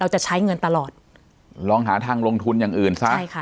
จะใช้เงินตลอดลองหาทางลงทุนอย่างอื่นซะใช่ค่ะ